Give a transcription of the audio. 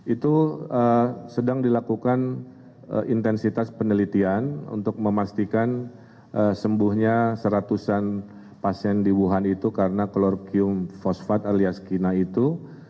itu sedang dilakukan intensitas penelitian untuk memastikan sembuhnya seratusan pasien di wuhan itu karena klorochium fosfat alias kina itu